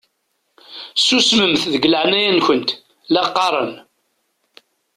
Susmemt deg leɛnaya-nkent la qqaṛen!